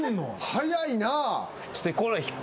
早いなあ！